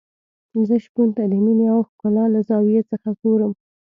زه شپون ته د مينې او ښکلا له زاویې څخه ګورم.